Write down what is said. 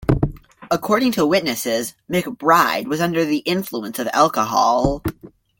According to witnesses, McBride was under the influence of alcohol.